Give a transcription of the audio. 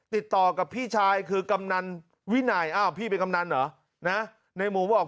ติดต่อกับพี่ชายคือกำนันวินัยอ้าวพี่เป็นกำนันเหรอนะในหมูบอก